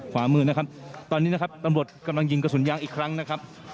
ขวามือนะครับตอนนี้นะครับตำรวจกำลังยิงกระสุนยางอีกครั้งนะครับ